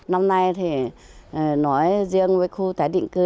năm nay thì nói riêng với khu tái định cư